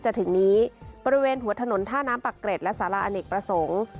จะถึงนี้บริเวณหัวถนนท่าน้ำปักเกร็ดและสาระอเนกประสงค์